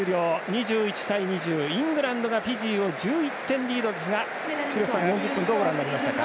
２１対１０、イングランドがフィジーを１１点リードですが廣瀬さん、４０分どうご覧になりましたか？